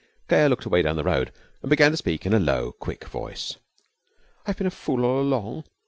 Claire looked away down the road and began to speak in a low, quick voice: 'I've been a fool all along.